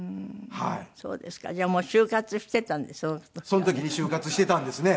その時に終活していたんですね。